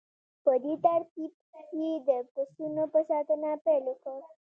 په دې ترتیب یې د پسونو په ساتنه پیل وکړ